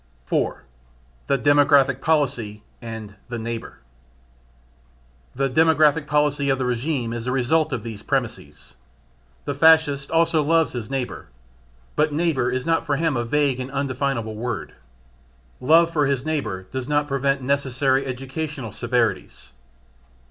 4. The Demographic Policy and the "Neighbour." The "demographic" policy of the regime is the result of these premises. The Fascist also loves his neighbour, but "neighbour" is not for him a vague and undefinable word: love for his neighbour does not prevent necessary educational severities.